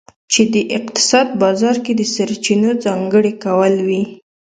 چې د اقتصاد بازار کې د سرچینو ځانګړي کول وي.